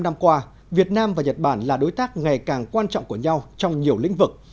bảy mươi năm năm qua việt nam và nhật bản là đối tác ngày càng quan trọng của nhau trong nhiều lĩnh vực